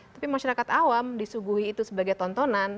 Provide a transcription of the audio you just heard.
tapi masyarakat awam disuguhi itu sebagai tontonan